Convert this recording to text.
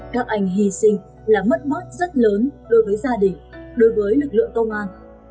các anh hy sinh là mất mát rất lớn đối với gia đình đối với lực lượng công an